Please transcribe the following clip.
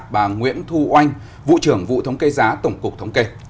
bà nguyễn thu oanh vụ trưởng vụ thống kê giá tổng cục thống kê